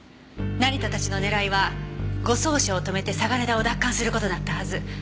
成田たちの狙いは護送車を止めて嵯峨根田を奪還する事だったはず。